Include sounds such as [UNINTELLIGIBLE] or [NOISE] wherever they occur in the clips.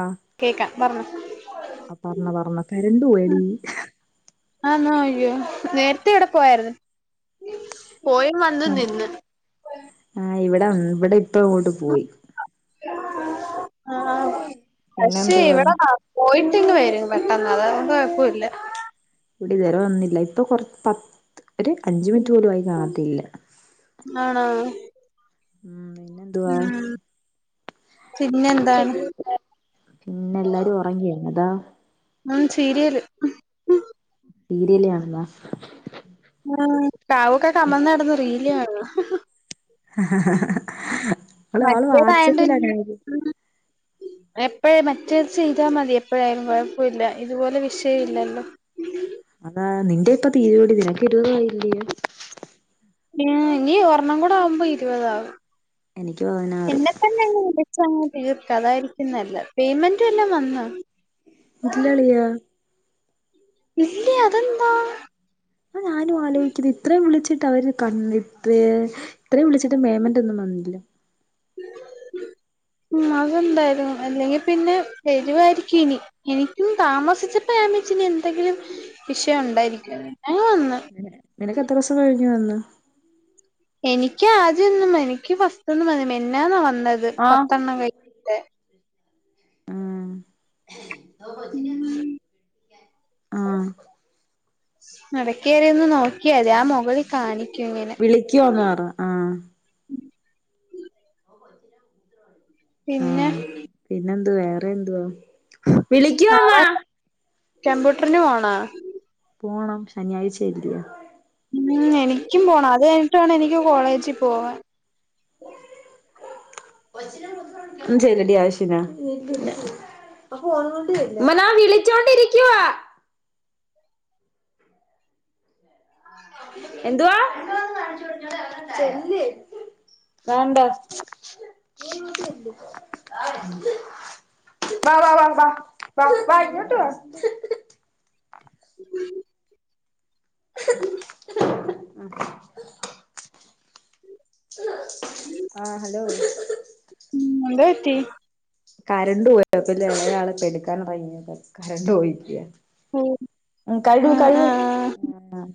ആഹ് കേക്കാം പർണോ ആ പർണോ പരണാ കറന്റ്‌ പോയെടി യ്യോ നേരത്തെ ഇവടെ പോയാര്ന്ന് പോയീം വന്നും നിന്ന് ആ ഇവടെ ഉം ഇവടെ ഇപ്പം അങ്ങോട്ട് പോയി ആ പിന്നെ പക്ഷെ എന്തുവാ ഇവടെ [UNINTELLIGIBLE] പോയി ഇപ്പം ഇങ്ങ് വരും പെട്ടെന്ന് അത് കൊണ്ട് കൊഴപ്പം ഇല്ല ഇവിടിതുവരെ വന്നില്ല ഇപ്പൊ കൊറ പത്ത് ഒരു അഞ്ചു മിനിറ്റ് പോലും ആയി കാണത്തില്ല ആണോ മ്മ് പിന്നെന്തുവാ ഉം പിന്നെ [UNINTELLIGIBLE] എന്താണ് പിന്നെ എല്ലാരും ഒറങ്ങിയോ അതോ ഉം സീരിയല് സീരിയല് കാണ്ന്നാ ഉം കാവുക്കെ കമന്ന് കെടന്ന് റീല് കാണുവാ അവള് അവള് മറ്റേതായോണ്ട് വാട്സപ്പിലാണ ഇത് എപ്പോഴേ മറ്റേത് ചെയ്താ മതി എപ്പോഴായാലും കൊഴപ്പവില്ല ഇതുപോലെ വിഷയം ഇല്ലല്ലോ അതാ നിന്റെ ഇപ്പോ തീരുവോടി നിനക്ക് ഇരുപത് ആയില്ലിയോ ഏഹ് ഇനി ഒരെണം കൂടെ ആവുമ്പോ ഇരുവതാകും എനിക്ക് പതിനാറ് എന്നാ തന്നെ അങ്ങ് വിളിച്ചാമതി തീർക്ക് അതാരിക്കും നല്ലത് പെയ്മെന്റ് വല്ലോം വന്നോ ഇല്ലാളിയാ ഇല്ലേ അതെന്താ ആ ഞാനും ആലോചിക്കുന്നെ ഇത്രയും വിളിച്ചി അവര് കണ് ഇപ്യെ ഇത്രേം വിളിച്ചിട്ട് പെയ്മെന്റൊന്നും വന്നില്ല ഉം അത്ണ്ടാരുന്നു അല്ലെങ്കി പിന്നെ വരുവാരിക്കും ഇനി എനിക്കും താമസിച്ചപ്പോ ഞാൻ വിചാ ഇനി എന്തെങ്കിലും വിഷയം ഒണ്ടായിരിക്കുന്ന് പിന്നെ വന്ന് നിന നിനക്ക് എത്ര ദിവസം കഴിഞ്ഞ് വന്നു എനിക്ക് ആദ്യോന്നും എനിക്ക് ഫസ്റ്റോന്നും വന്ന് മിന്നാനാ വന്നത് ആഹ് പത്തെണ്ണം കയി [UNINTELLIGIBLE] ആഹ് ആഹ് എടക്കേറിയൊന്ന് നോ ക്കിയതി ആ മോകളി കാണിക്കും ഇങ്ങനെ വിളിക്കുവോന്ന് പറ ആഹ് പിന്നെ ആഹ് പിന്നെന്ത് വേറെ എന്തുവാ നാളെ കമ്പ്യൂട്ടറിന് പോണേ പോണം ശനിയാഴ്ച അല്ലിയോ ഉം എനിക്കും പോണം അത് കഴിഞ്ഞിട്ടാണ് എനിക്ക് കോളേജിൽ പോവാൻ എന്റേത് റെഡിയായിട്ടില്ല ഉമ്മ ഞാൻ വിളിച്ചു കൊണ്ടിരിക്കുവാ എന്തുവാ ചെല്ല് വേണ്ട വാ വാ വാ വാ വാ ഇങ്ങോട്ട് വാ ആ ഹലോ ഉം എന്ത്പറ്റി കരണ്ട് പോയപ്പല്ല എ ആള് എടുക്കാൻ [UNINTELLIGIBLE] കരണ്ട് പോയിക്കയാ ഉം കഴുക് ആഹ് കഴുക് ആഹ് ആഹ്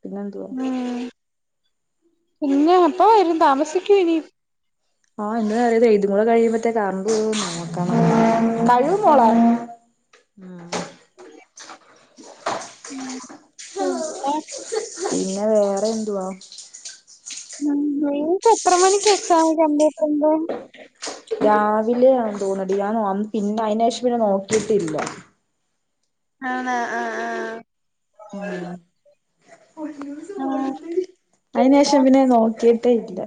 പിന്നെന്തു വാ ഉം പിന്നെ അപ്പ ഇവരും താമസിക്കൂ ഇനി ആഹ് ഇന്ന് അറിയതെ ഇതും കൂടെ കഴിയുമ്പത്തേക്ക് കരണ്ട് പോവോ നോക്കണം ഉം യ [UNINTELLIGIBLE] പിന്നെ വേറെ എന്തുവാ ഉം നിങ്ങക്ക് എത്ര മണിക്ക എക്സാം രാവിലെയാ തോന്നെടി ഞാൻ പിന്നെ അയ്ന് ശേഷം പിന്നെ നോക്കിട്ടില്ല അന ആ ആ ആ ഉം ആ അതിനന് ശേഷം പിന്നെ നോക്കിട്ടേ ഇല്ല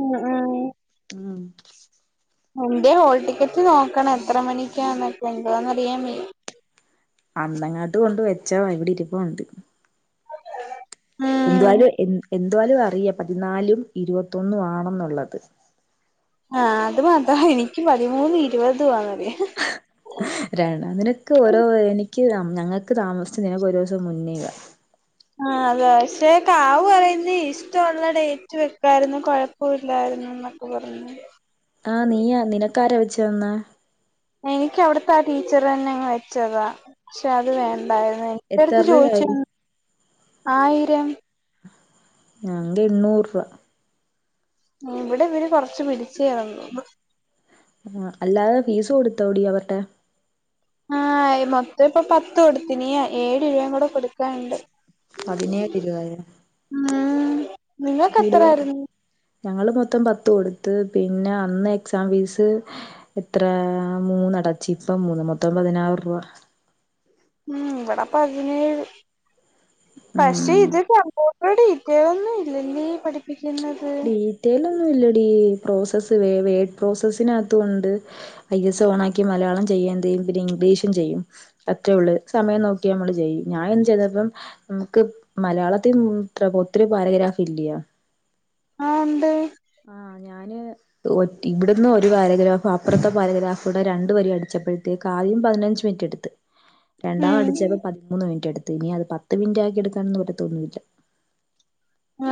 ഉം ഉം ഉം എന്റെ ഹോൾ ടിക്കറ്റ് നോക്കണം എത്ര മണിക്കാന്നൊക്കെ എന്താന്നറിയാവെ അന്നങ്ങാട്ട് കൊണ്ട് വെച്ചത ഇവിടെ ഇരുപ്പുണ്ട് [INAUDIBLE] ഉം എന്തുവായലും അറിയ പതിനാലും ഇരുപത്തൊന്നും ആണെന്നുള്ളത് ആഹ അത് മാത്ര എനിക്ക് പതിമൂന്ന് ഇരുപത് വന്ന രണ അതിനൊക്കെ ഓരോ എനിക്ക് ഞങ്ങൾക്ക് താമസിച്ച നിനക്ക് ഒരു ദിവസം മുന്നേ ആ അത പക്ഷെ കാവ് പറയുന്നത് ഇഷ്ടമുള്ള ഡേറ്റ് വെക്കാരരുന്നു കുഴപ്പമില്ലായിരുന്നു ന്നൊക്കെ പറഞ്ഞു ആഹ നീയാ നിനക്കാര വെച്ച വന്ന എനിക്ക് അവിടത്തെ ആ ടീച്ചർ തന്നെങ്ങ് വെച്ചതാ പക്ഷെ അത് വേണ്ടായിരുന്നു എന്റെ എത്ര അടുത്ത് ചോദിച്ച രൂപയായി ആയിരം ഞങ്ങ ഇണ്ണൂറ് രൂപ ഇവിടെ ഇവര് കൊറച്ച്ു പിടിച്ചു ഇറങ്ങു ആ അല്ലാതെ ഫീസ് കൊടുത്തോോട അവരുടെ ആഹ മൊത്തം ഇപ്പ പത്ത് കൊടുത്തിന ഏഴ് രൂപയും കൂടെ കൊടുക്കാാനുണ്ട് പതിനേഴ് രൂപയ ഉം നിങ്ങൾക്ക് കൂടുത എത്രായിരുന്നു ഞങ്ങള് മൊത്തം പത്ത കൊടു പിന്നെ അന്ന് എക്സാം ഫീസ് എത്ര മൂന്നടച്ച ഇപ്പ മൂന്ന് മത്തമ്പ പതിനാറ് രൂപ ഉം വട ഭാജന പക്ഷ ഉം ഇതി പറ [UNINTELLIGIBLE] പഠ ഇത്യതൊന്നും ഇല്ല നീ പഠിപ്പിക്ക ീ തേലന്നു ഇല്ലടിീ പ്രോസസ്സ് വ വേഡ് പ്രോസസ്സിനകത്തൊണ്ട് ഐ എസ് ഓൺ ആക്കി മലയാളം ചെയ്യേത ചെയ്യും പിന്നെ ചെയ്യും അത്രേ ഉ സമയം നോക്കിയ നമ്മള് ചെയ്യും ഞൻ ചെയ്ത ന മരയാളത്തി ഒത്തിരി പാരഗ്രാഫ് ഇല്ലയ ആഹ എണ്ട് ആഹ ഞാന് ഇവിടന്ന് ഒരു പാരഗ്രാഫ് അപ്പുറത്തെ പാരഗ്രാഫ്ടെ രണ്ട പര അടിച്ചപ്പോഴത്തേക്ക് ആദ്യം പതിനഞ്ച് മിനിറ്റ് എടുത്ത് രണ്ടാം ഉം അടിച്ചപ്പോ പതിമൂന്ന് മിനിറ്റ് എടുത്ത് ഇനി അത് പത്ത് മിനിറ്റ് ആക്കി എടുക്കാാനന്ന് വറ്റ തോന്നില്ല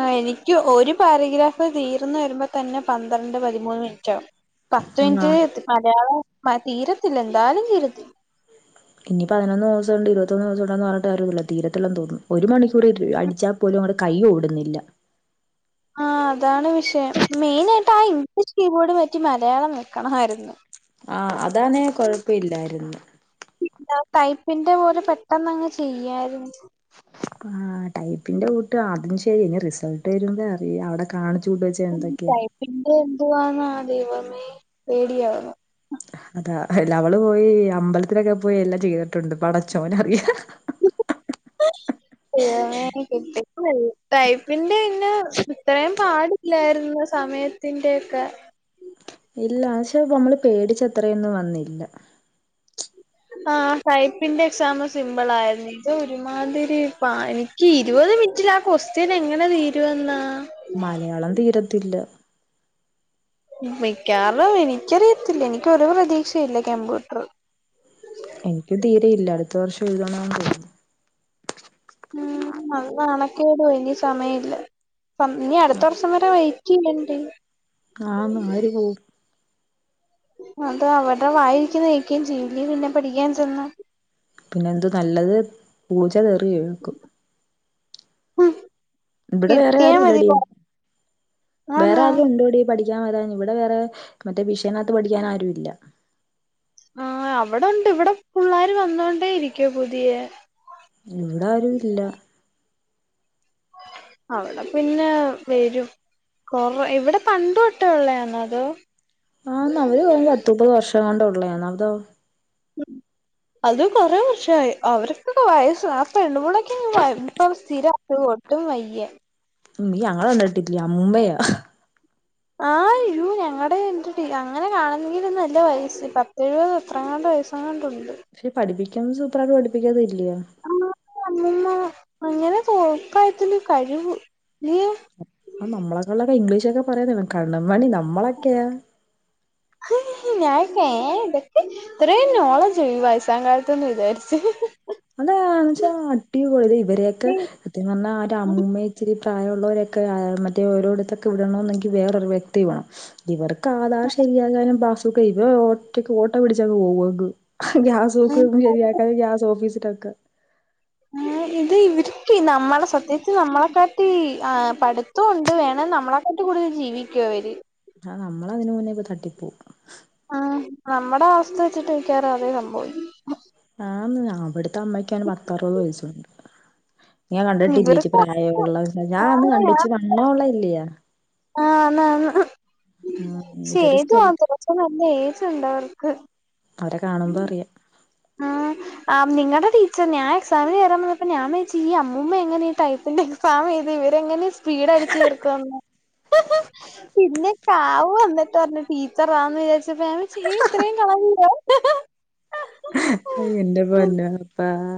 ആ എനിക്ക് ഒരു പാരഗ്രാഫ് തീർന്ന് വരുമ്പോ തന്നെ പന്ത്രണ്ട് പതിമൂന്ന് മിനിറ്റ്ാകും പത്ത് മിനിറ്റ് ആഹ് എ മലയാളം തീരത്തില്ല എന്തായാലും തീരത്തി ഇനി പതിനൊന്ന് ദിവസം ഉണ്ട് ഇരുപത്തൊന്ന് ദിവസം ഉണ്ടന്ന് പറഞ്ഞട്ട് കാര് ഇല്ല തീരത്തെല്ലാം തോന്നും ഒരു മണിക്കൂർടാൽ പോലും കൈ ഓടുന്നില്ല എന്നട്ട് ആ ഇംഗ്ലീഷ് കീബോർഡ് പറ്റി മലയാളം നൽക്കണമായിരുന്നു ആഹ അതാണ്െ കൊഴപ്പില്ലായിരുന്നു തൈപ്പിന്റെ പോലെ പെട്ടന്ന്ങ്ങ് ചെയ്യായിരുന്നു ആ ടൈപ്പിന്റെ കൂട്ട് ആതും ശരി ഇനി റിസൾട്ട് വരുംാ അറിയ അവിടെ കാണ പിന്റെ എന്വാന്ന ആ ദൈവമേ പേടിയന്നു അതാ എല്ല അവള് പോയി അമ്പലത്തിലൊക്കെ പോയി എല്ലാം ചെയ്തിട്ടുണ്ട് ഇപ്പ അടച്ചോന അറിയ ശറമേ കിട്ടൈപ്പിന്റെ പിന്നെ ഇത്രയും പാടില്ലായിരുന്നു സമയത്തിന്റെ ഒക്കെ ഇല്ലക്ഷേ നമ്മള് പേടിച്ചത്രയൊന്നും വന്നില്ല ആ് സൈപ്പിന്റെ എക്സാം സിമ്പിൾ ആായിരുന്നു ഒരുമാതിരിരി എനിക്ക് ഇരുപത് അത് മിറ്റില ആ ക്സ്തയൻ എങ്ങനെ തീരുമ എന്നാ മലയാളം തീരത്തില്ല മിക്കാറോ എനിക്കറിയത്തില്ല എനിക്കൊ പ്രതീക്ഷയില്ല കമ്പ്യൂട്ടർ എനക്ക് തീരെയില്ല അടുത്ത വർഷം എഴുതണൻ പോുന്നു ഉം ന നാണക്കിയോട് പോയി ഇനി സമയമ ഇല്ല നീ അടുത്ത വർഷം വരെ വൈ കഴണ്ട് ആ്ന്ന ആര് പോവും അത് അവിടെ ആായിരിക്കുന്നക്കയും ചെയ്യല്ല പിന്നെ പഠിക്കാൻ ചെന്ന പിന്നെതു നല്ലത് പൂജ കറി കേക്കും [UNINTELLIGIBLE] ഇവിടെ വേറെ കിട്ടിയാ ആരും മതി ഇല്ലടി ആന്ന് വേറേആരേലുംഉണ്ടോടിപഠി ക്കൻ വരാൻ ഇവിടെ വേറെ മറ്റേ ബഷേനകത്ത് പഠിക്കാനാരുംഇല്ല ആ അവിടെണ്ട് ഇവിടെപുള്ളാര് വന്നോണ്ടേ ഇരിക്കുപുതിയെ ഇവിടെ ആരും ഇല്ല അവിടെ പിന്നെ വരും. കൊറ ഇവിടെ പണ്ട് തൊട്ടെ ഉള്ളയന്നോ അതോ ആന്ന് അവര്പറഞ്ഞ് പത്ത്‌ മുപ്പത് വർഷംഎങ്ങാണ്ട് ഉള്ളേആന്ന് അതോ അത് കുറെേ വർഷആയി അവർക്കൊക്കെവയസായി ആ പെണ്ണുപ്പുള്ളക്ക് ഇപ്പൊ സ്ഥിരകെ ഒട്ടുംവയ്യ നീഞങ്ങളെകണ്ടെട്ടിക്ക് അമ്മുമ്മയാ ആയി യോ ഞങ്ങടെ എ അങ്ങനെ കാണെന്നെകിൽ നല്ല വയസ്സ് പത്ത് എഴുപത് എത്രങ്ങണ്ട് വയസങ്ങാണ്ട് ഒണ്ട് പക്ഷെ പഠിപ്പിക്കുന്ന സൂത്രട്ട് പഠിപ്പിക്കാതെ ഇല്ല്യ ആ വന്നന്ന അങ്ങനെ തോക്കായത്തില്ല കഴിവ് ഇല്ലിയോ ആ നമ്മളൊക്കയിലൊക്കെ ഇംഗ്ലീഷോക്കെപറയുന്നകണ്ണൻമണിനമ്മളൊക്കെയോ ഞാൻഏഹ് ഇത്രെയുംനോളജോ ഈവയസക്കാലത്ത്എന്ന് വിചാരിച് മ് ഹ് അതാന്ന് വെച്ചാൽ അടിപൊളി ഇവരൊക്കെ സത്യം പറഞ്ഞാൽ ആ ഒരു അമ്മൂമ്മ ഇച്ചിരി പ്രായമുള്ളവരൊക്കെ മറ്റേ ഓരോടത്തൊക്കെ വിടണന്നെങ്കിൽ വേറൊരു വ്യക്തി വേണം ഇവർ കാതാ ശരിയാ കാന് പാബുക്ക് ഇവ ഓറ്റക്ക് ഓട്ട പിടിച്ചങ്ങ് പോകങ്ങ് ഹ് ഗ്യാസ്ക്കും ശരിയാക്ക ഗ്യാസ് ഓഫീസിലൊക്കെ ഇത് ഇവർക്ക് നമ്മളെസത്യത്തിനമ്മളെക്കാട്ടിഅഹ്‌ പഠിത്തംഒണ്ട് വേണേ നമ്മളെക്ക കൂടുതൽ ജീവിക്കു അവര് ആ നമ്മള അതിനന് മുന്നേ ഇപ്പൊ തട്ടിപ്പോ അഹ്‌ നമ്മുടെഅവസ്ഥവെച്ചിട്ട് മിക്കവാറും അതെസംഭവിക്ക ആന്ന് അവിടത്തെ അമ്മക്കആണ്ടെ പത്താറുപത് വയസുണ്ട് ഞാൻ കണ്ടിട്ടില്ലച്ചി ഇവർക്ക് പ്രായമുള്ള ഞാൻ അന്ന് കണ്ടിച്ച് വണ്ണ ഉള്ള ഇല്ലയ ആഹ ആണ്ആണ് മ് ഇതൊരു സ്കെൽ ചേതുവാകുറഞ്ച് നല്ലഏജ്ഉണ്ട്ആവർക്ക്. അവരെ കാണുമ്പോ അറിയാം ആ നിങ്ങടെ ടീച്ചർ ഞാ എക്സാമിൽ കേറൻ വന്നപ്പ ഞാൻവിച്ച് ഈഅമ്മുമ്മഎങ്ങനെ ടൈപ്പിന്റെഎക്സാംചെ ഇത് ഇവരെങ്ങനെ സ്പീഡ് അടിച്ചു തീർക്കന്ന് [UNINTELLIGIBLE] പിന്നെ ചാവ് വന്നിട്ട് പറഞ്ഞു ടീച്ചറാന്ന് വിചാരിച്ചപ്പോഞാൻവിചാരിച്ചുഏഹ് ഇത്രയും കളവിയോ [UNINTELLIGIBLE] ഇയോഎന്റെപൊന്നുകർത്താ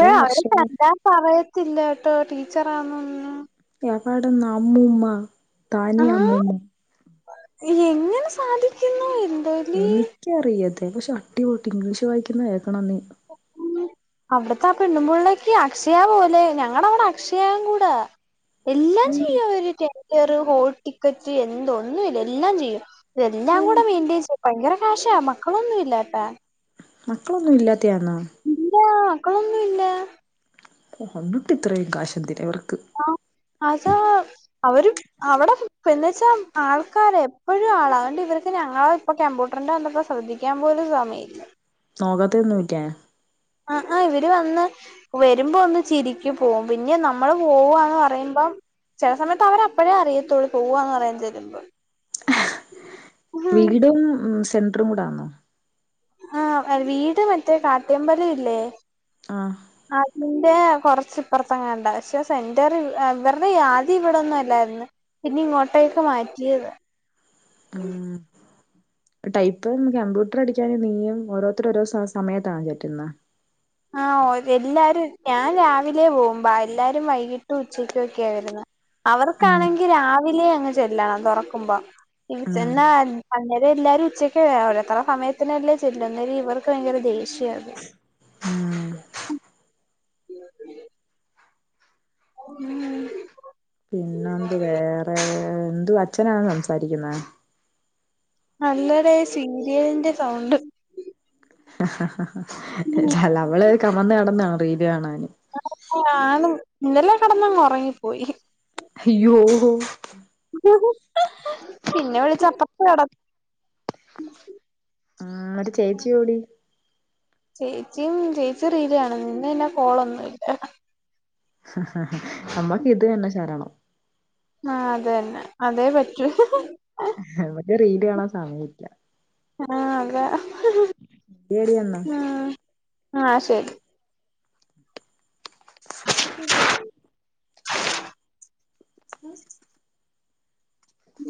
യോഅവരെകണ്ടപറയത്തില്ലകേട്ടോടീച്ചർഅന്നെന്ന് കവാടുന്ന അമ്മൂമ്മ താനി അമ്മൂമ്മു ഇനി എങ്ങനെ സാധിക്കുന്നു എന്തോലി എനിക്കറിയതെ പക്ഷെ അടി പൊട്ട് ഇംഗ്ലീഷ് വായിക്കുന്ന കേക്കണ നീ അവിടത്തെ ആ പെണ്ണുമ്പുള്ളേക്ക് അക്ഷയ പോലെ ഞങ്ങടെ അവിടെ അക്ഷയക്കൂടാ എല്ലാം ഉം ചെയ്യും അവര് ടറ്ററ് ഹോട്ട് ടിക്കറ്റ് എന്തോ ഒന്നുമില്ല എല്ലാം ചെയ്യും. ഇതെല്ലാംകൂടെമെയിണ്ടെജ് ഭയങ്കര കാശാ മക്കളൊന്നും ഇല്ലാട്ടാ മക്കളൊന്നും ഇല്ലാത്തയാന്നോ ഇല്ല് മക്കളൊന്നും ഇല്ല ഓന്നട്ടി ഇത്രയും കാശെന്ത്നഇ വർക്ക് ആ അതാ അവര് അവിടെപിന്നാച്ച ആൾക്കാര എപ്പോഴും ആള അതുകൊണ്ട് ഇവർക്ക് ഞങ്ങള ഇപ്പ കമ്പ്യൂട്ടറിന്റെ ശ്രദ്ധിക്കാൻ പോലും സമയില്ല നോക്കത്തുഒന്നൂല്ലേ ആ ആഹ് ഇവര് വന്ന് വരുമ്പോ ഒന്ന് ചിരിക്കുംപോപിന്നെ നമ്മള് പോവാന്ന് പറയുമ്പം ചില സമയത്ത് അവര് അപ്പഴേ അറിയത്തുള്ളൂ പോവാന്ന് പറയാൻ ചെല്ലുമ്പം ഹ് വീടും സെന്ററും കൂടാന്നോ ആ വീട് മറ്റേ കാട്ടമ്പലം ഇല്ലേ ആഹ് ആട്ട് ന്റെ കുറച്ച് ഇപ്പറത്തെങ്ങാണ്ട പക്ഷെ സെന്റർ ഇവരുടെ ആദ്യം ഇവിടൊന്നും അല്ലായിരുന്ന് പിന്നെ ഇങ്ങോട്ടേക്ക് മാറ്റിയതാ ആ ടൈപ്പ് കമ്പ്യൂട്ടർ അടിക്കാന് നീയും ഓരോരുത്തര് ഓരോ സമയത്താണ് കേറ്റുന്നെ ആഹ എല്ലാരും ഞാൻ രാവിലെ പോകുമ്പോ എല്ലാരും വൈകിട്ടും ഉച്ചക്കൊക്കെ വരുന്നെ ഉം അവർക്കാണെങ്കി രാവിലെ അങ്ങ് ചെല്ലണം തുറക്കുമ്പോ ഇത് ഉം ചെല്ലാൻ എല്ലാരും ഉച്ചക്ക് ഓരോരുത്തരെ സമയത്തിനല്ലേ ചെല്ലുന്നെ ഇവർക്ക് ഭയങ്കര ദേഷ്യാ ണ് ഉം [INAUDIBLE] ഉം പിന്നെ എന്തു വേറെ എന്തു അച്ഛനാണോ സംസാരിക്കുന്നെ അല്ലെടെ സീരിയലിന്റെ സൗണ്ട് ഹ ഹ ഹാ അല്ല അവള് കമന്ന് കെടന്നാണോ റീല് കാണാൻ ഞാനും ഇന്നലെ കടന്നങ്ങ് ഉറങ്ങിപ്പോയി അയ്യോ ഹിഹി പിന്നെ വിളിച്ചപ്പത്തന്നെ ആ ഒരു ചേച്ചി ഓടി ചേച്ചിയും ചേച്ചി റീലിലാണ്. ഇന്ന് പിന്നെ കോളൊന്നും ഇല്ല ഹ് ഹ ഹ അമ്മക്ക് ഇത് തന്നെ ശരണം ആ അതന്നെ അതേ പറ്റൂ നമ്മക്ക് റീല് കാണാൻ സമയില്ല ആഹ അതെ ആ ആ ശരി ക്ക [UNINTELLIGIBLE] ഉം ഉ